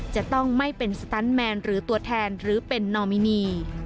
จะต้องไม่เป็นสตันแมนหรือตัวแทนหรือเป็นนอมินี